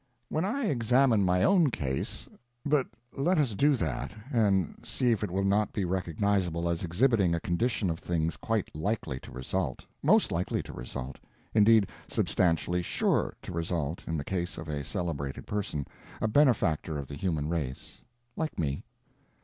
When I examine my own case—but let us do that, and see if it will not be recognizable as exhibiting a condition of things quite likely to result, most likely to result, indeed substantially sure to result in the case of a celebrated person, a benefactor of the human race. Like me.